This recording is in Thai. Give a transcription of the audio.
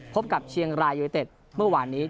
พบกับเชียงรายยูนิเต็ดเมื่อวานนี้